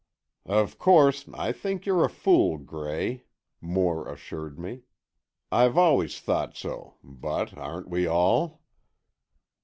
"Of course I think you a fool, Gray," Moore assured me. "I've always thought so. But, aren't we all?"